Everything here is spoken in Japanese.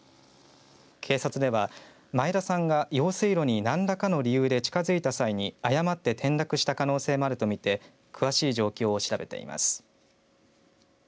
警察では前田さんが用水路に何らかの理由で近づいた際に誤って転落した可能性もあるとみて詳しい状況を調べています。